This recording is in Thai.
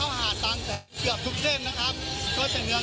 อาจจะไม่เพียงพอเพราะว่ามีเจ้าหน้าที่สำรวจน้อยนะครับ